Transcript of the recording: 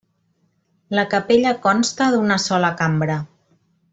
La capella consta d'una sola cambra.